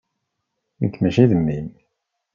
Nekk mačči d mmi-m.